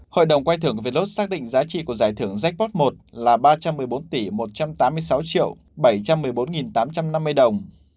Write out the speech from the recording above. hội đồng quay thưởng vlos xác định giá trị của giải thưởng jackpot một là ba trăm một mươi bốn tỷ một trăm tám mươi sáu bảy trăm một mươi bốn tám trăm năm mươi đồng